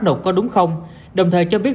nộp có đúng không đồng thời cho biết